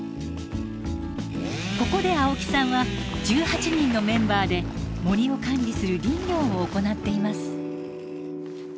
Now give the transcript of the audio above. ここで青木さんは１８人のメンバーで森を管理する林業を行っています。